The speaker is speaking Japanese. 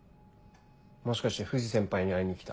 もしかして藤先輩に会いに来た？